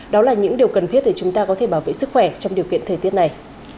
đó là những điều cần thiết để chúng ta có thể bảo vệ sức khỏe trong điều kiện thời tiết này